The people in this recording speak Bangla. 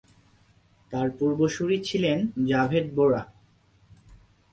তার পূর্বসূরি ছিলেন জাভেদ বোরা।